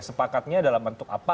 sepakatnya dalam bentuk apa